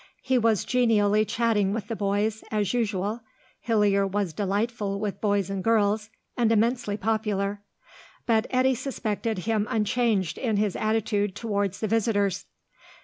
He was genially chatting with the boys, as usual Hillier was delightful with boys and girls, and immensely popular but Eddy suspected him unchanged in his attitude towards the visitors.